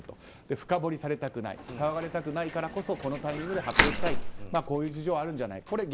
深掘りされたくない騒がれたくないからこそこのタイミングで発表したいという事情があるんじゃないかと。